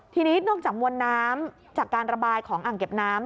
ทีนี้นอกจากมวลน้ำจากการระบายของอ่างเก็บน้ำ